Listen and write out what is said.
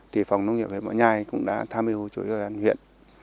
thì phòng nông nghiệp huyện võ nhai cũng đã tham hiệu chủ yếu cho huyện